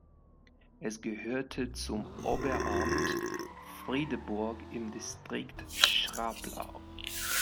Es gehörte zum Oberamt Friedeburg im Distrikt Schraplau.